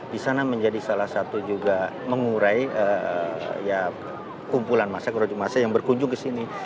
di sana menjadi salah satu juga mengurai kumpulan masyarakat yang berkunjung ke sini